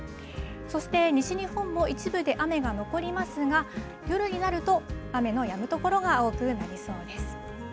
そして西日本も一部で雨が残りますが、夜になると、雨のやむ所が多くなりそうです。